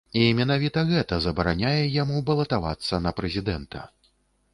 І менавіта гэта забараняе яму балатавацца на прэзідэнта.